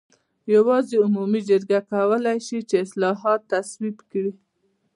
یوازې عمومي جرګه کولای شي چې اصلاحات تصویب کړي.